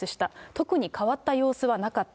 特に変わった様子はなかった。